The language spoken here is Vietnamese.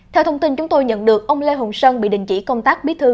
theo thông tin chúng tôi nhận được ông lê hồng sơn bị đình chỉ công tác bí thư